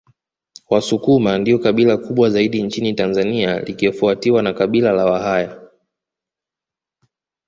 Wasukuma ndio kabila kubwa zaidi nchini Tanzania likifuatiwa na Kabila la Wahaya